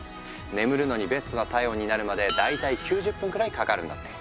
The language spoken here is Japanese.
眠るのにベストな体温になるまで大体９０分くらいかかるんだって。